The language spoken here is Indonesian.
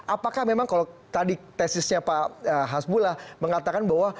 apakah memang kalau tadi tesisnya pak hasbullah mengatakan bahwa